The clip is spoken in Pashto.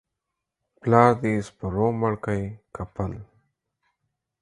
پلار دي سپرو مړ کى که پل؟